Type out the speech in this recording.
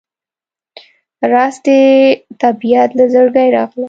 رس د طبیعت له زړګي راغلی